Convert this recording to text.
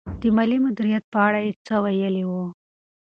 د مالي مدیریت په اړه یې څه ویلي وو؟